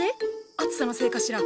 暑さのせいかしら。